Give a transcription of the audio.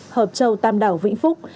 học châu tam đảo vĩnh phúc